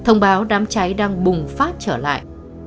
thông báo đám cháy đang bùng phát trở lại